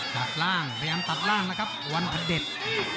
ตัดล่างพยายามตัดล่างนะครับวันพระเด็จ